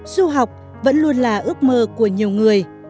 du học vẫn luôn là ước mơ của nhiều người